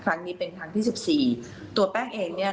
ครั้งนี้เป็นครั้งที่๑๔